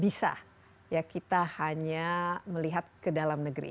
bisa ya kita hanya melihat ke dalam negeri